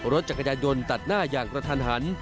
รถจักรยานยนต์ตัดหน้าอย่างกระทันหัน